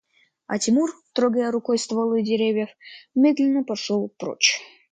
А Тимур, трогая рукой стволы деревьев, медленно пошел прочь